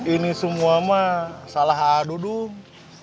ini semua mah salah a'a dudung